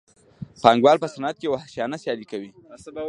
پانګوال په صنعت کې وحشیانه سیالي کوي